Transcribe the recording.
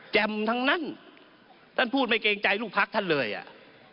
แจ่มทั้งนั่งท่านพูดไม่เกงใจลูกภักดิ์ท่านเลยอ่ะ